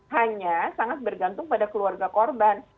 hanya sangat bergantung pada keluarga korban